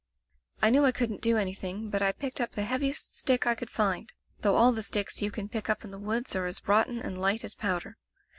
"I knew I couldn't do anything, but I picked up the heaviest stick I could find, though all the sticks you can pick up in the woods are as rotten and light as powder.